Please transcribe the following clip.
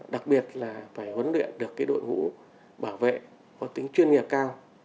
đặc biệt là phải huấn luyện được đội ngũ bảo vệ có tính chuyên nghiệp cao